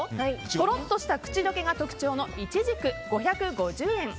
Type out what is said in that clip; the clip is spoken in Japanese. とろっとした口溶けが特徴のいちじく、５５０円。